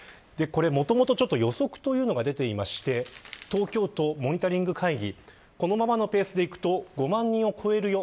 もともと予測が出ていまして東京都モニタリング会議このままのペースでいくと５万人は超えるよ。